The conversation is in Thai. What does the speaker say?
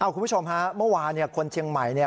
คุณผู้ชมฮะเมื่อวานคนเชียงใหม่เนี่ย